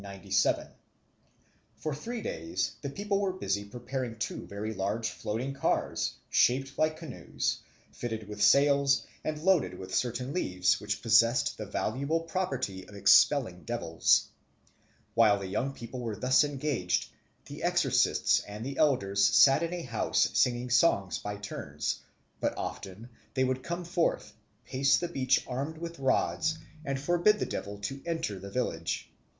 For three days the people were busy preparing two very large floating cars, shaped like canoes, fitted with sails, and loaded with certain leaves, which possessed the valuable property of expelling devils. While the young people were thus engaged, the exorcists and the elders sat in a house singing songs by turns; but often they would come forth, pace the beach armed with rods, and forbid the devil to enter the village.